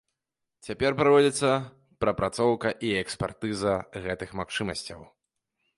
Цяпер праводзіцца прапрацоўка і экспертыза гэтых магчымасцяў.